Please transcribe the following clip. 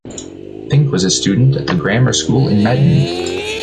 Fink was a student at the grammar school in Metten.